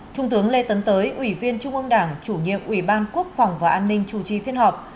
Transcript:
trung tướng lê tấn tới ủy viên trung ương đảng chủ nhiệm ủy ban quốc phòng và an ninh chủ trì phiên họp